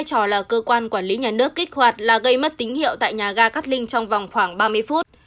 trò là cơ quan quản lý nhà nước kích hoạt là gây mất tín hiệu tại nhà ga cát linh trong vòng khoảng ba mươi phút